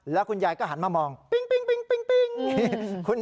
แล้วคุณยายก็หันมามองปิ้ง